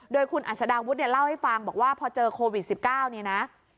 โดยคุณอัศดาวุฒิเนี่ยเล่าให้ฟังบอกว่าพอเจอโควิด๑๙เนี่ยนะ